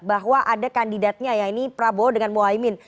bahwa ada kandidatnya ya ini prabowo dengan muhaymin